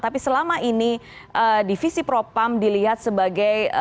tapi selama ini divisi propam dilihat sebagai